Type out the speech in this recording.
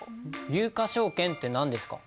有価証券って何ですか？